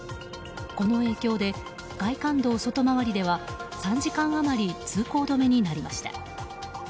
この影響で外環道外回りでは３時間余り通行止めになりました。